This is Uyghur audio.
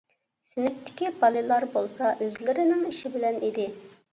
سىنىپتىكى بالىلار بولسا ئۆزلىرىنىڭ ئىشى بىلەن ئىدى.